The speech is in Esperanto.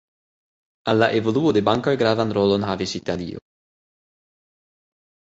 Al la evoluo de bankoj gravan rolon havis Italio.